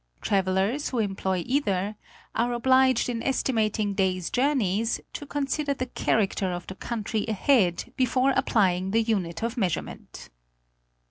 'Travelers who employ either are obliged in estimating days' journeys to consider the character of the country ahead before applying the unit of measurement.